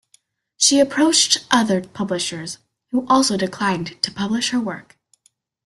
She approached other publishers, who also declined to publish her work.